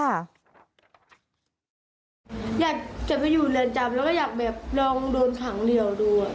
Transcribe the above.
อยากจะไปอยู่เรือนจำแล้วก็อยากแบบลองโดนขังเหลี่ยวดู